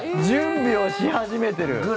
準備をし始めてる。